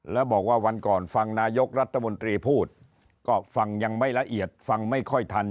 แล้วบอกว่าวันก่อนฟังนายกรัฐมนตรีพูดก็ฟังยังไม่ละเอียดฟังไม่ค่อยทัน